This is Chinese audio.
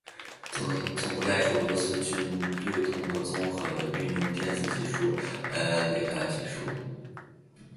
总的来说，俄罗斯军队通过综合运用电子战技术、雷达系统、防空系统和无人机等多种手段，有效地反制乌克兰军队的无人机，保障了自身的战略利益和作战安全。